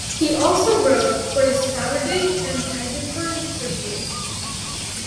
He also wrote for the "Saturday" and the "Edinburgh Review".